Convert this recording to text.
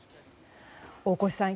大越さん